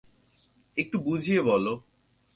একটু বুঝিয়ে বল।